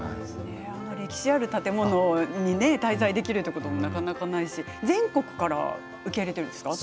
歴史のある建物に滞在できるということはなかなかないですし全国で受け入れているんですか？